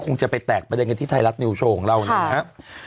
คงจะไปแตกประเด็นกันที่ไทยรัฐนิวโชว์ของเรานะครับ